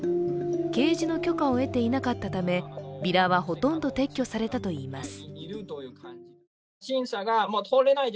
掲示の許可を得ていなかったためビラはほとんど撤去されたといいます。